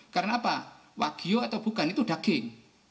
karena apa wagyu atau bukan itu daging